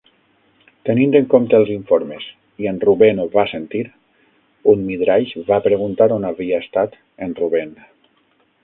Tenint en compte els informes, "I en Rubèn ho va sentir", un midraix va preguntar on havia estat en Rubèn.